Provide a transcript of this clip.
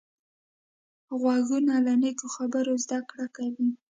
غوږونه له نیکو خبرو زده کړه کوي